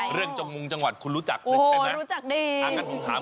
เรื่องจังหวัดคุณรู้จักใช่ไหม